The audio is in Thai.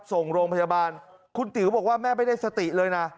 ส่งโรงพยาบาลคุณติ๋วบอกว่าแม่ไม่ได้สติเลยนะ